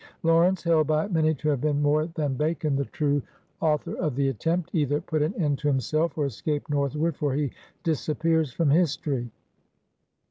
Lawrence, held by many to have been more than Bacon the true author of the attempt, either put an end to himself or escaped northward, for he disappears from history.